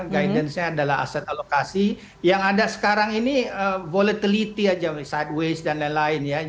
guidance nya adalah aset alokasi yang ada sekarang ini volatility aja sideways dan lain lain ya